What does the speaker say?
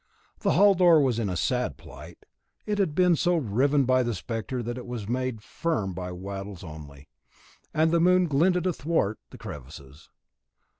The hall door was in a sad plight. It had been so riven by the spectre that it was made firm by wattles only, and the moon glinted athwart the crevices.